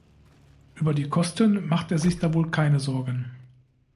Über die Kosten macht er sich da wohl keine Sorgen!